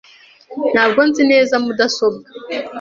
Ntabwo nzi neza mudasobwa.